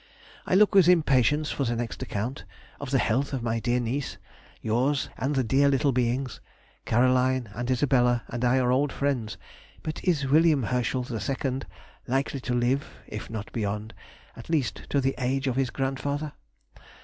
I look with impatience for the next account ... of the health of my dear niece, yours, and the dear little beings. Caroline and Isabella and I are old friends, but is William Herschel the second likely to live (if not beyond) at least to the age of his grandfather?